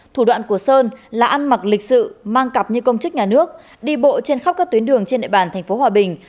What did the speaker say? thủ đoạn của sơn là ăn mặc lịch sự mang cặp như công chức nhà nước đi bộ trên khắp các tuyến đường trên địa bàn tp hòa bình